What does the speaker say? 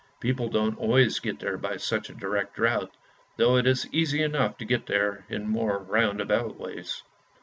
People don't always get there by such a direct route, though it is easy enough to get there in more roundabout ways.